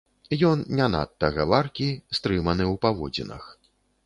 Ён не надта гаваркі, стрыманы ў паводзінах.